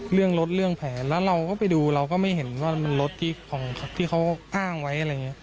เรื่องรถเรื่องแผนแล้วเราก็ไปดูเราก็ไม่เห็นว่ามันรถที่เขาอ้างไว้อะไรอย่างนี้